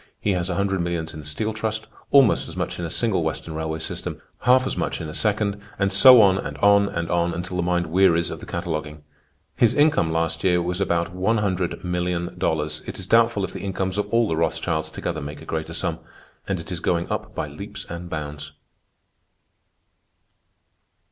He has a hundred millions in the steel trust, almost as much in a single western railway system, half as much in a second, and so on and on and on until the mind wearies of the cataloguing. His income last year was about $100,000,000— it is doubtful if the incomes of all the Rothschilds together make a greater sum. And it is going up by leaps and bounds.